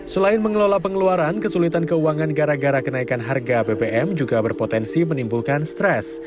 selain mengelola pengeluaran kesulitan keuangan gara gara kenaikan harga bbm juga berpotensi menimbulkan stres